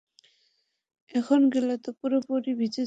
এখন গেলে তো পুরোপুরি ভিজে যাবেন।